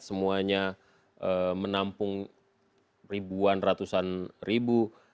semuanya menampung ribuan ratusan ribu